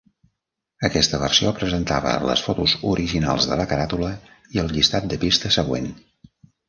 Aquesta versió presentava les fotos originals de la caràtula i el llistat de pistes següent.